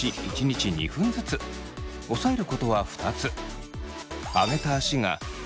押さえることは２つ。